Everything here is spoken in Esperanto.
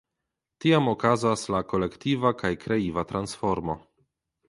Tiam okazas la kolektiva kaj kreiva transformo.